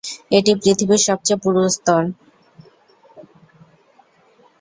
এটি পৃথিবীর সবচেয়ে পুরু স্তর।